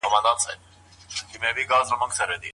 دا هغه مجله ده چي پلار مې غوښتله.